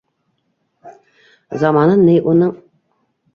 - Заманын ней уның...